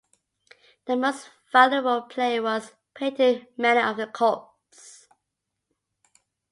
The most valuable player was Peyton Manning of the Colts.